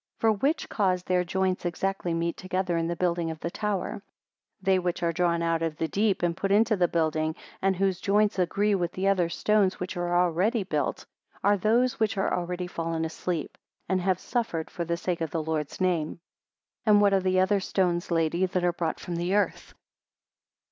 53 For which cause their joints exactly meet together in the building of the tower. 54 They which are drawn out of the deep and put into the building, and whose joints agree with the other stones which are already built, are those which are already fallen asleep, and have suffered for the sake of the Lord's name. 55 And what are the other stones, lady, that are brought from the earth?